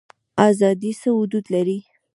ازادي څه حدود لري؟